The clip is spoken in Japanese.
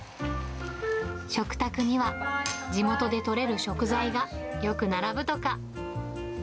食卓には、地元で取れる食材がよく並ぶとか。